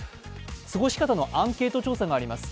過ごし方のアンケート調査があります。